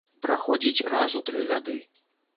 Праходзіць раз у тры гады.